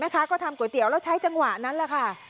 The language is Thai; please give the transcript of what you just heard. ก็ทำก๋วยเตี๋ยวแล้วใช้จังหวะนั้นแหละค่ะ